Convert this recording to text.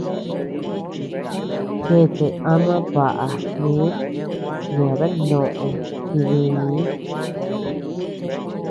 Chete ama baʼa min yeabean noʼò jidii.